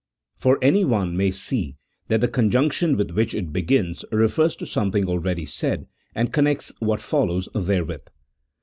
For anyone may see that the conjunction with which it begins, refers to something al ready said, and connects what follows therewith.